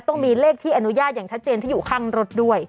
ต้องมีเลขที่อนุญาตอย่างชัดเจนที่อยู่ข้างรถด้วย